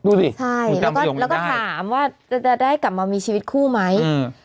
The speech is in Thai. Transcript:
ดูสิใช่แล้วก็ถามว่าจะได้กลับมามีชีวิตคู่ไหมอืม